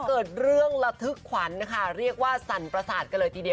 เกิดละทึกขวันขนโดยเรียกเลยเป็นสั่นประสาท